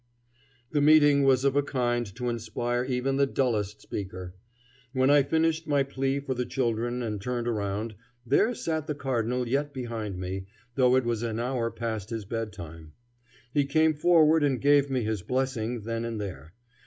The meeting was of a kind to inspire even the dullest speaker. When I finished my plea for the children and turned around, there sat the Cardinal yet behind me, though it was an hour past his bedtime. He came forward and gave me his blessing then and there.